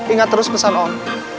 ingat terus pesan om